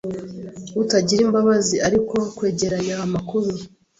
Utagira imbabazi ariko kwegeranya amakuru